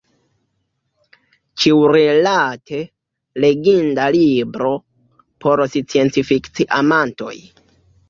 Ĉiurilate: leginda libro, por sciencfikci-amantoj.